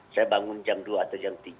saya bangun jam dua atau jam tiga